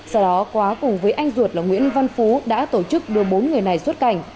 sau đó quá cùng với anh ruột là nguyễn văn phú đã tổ chức đưa bốn người này xuất cảnh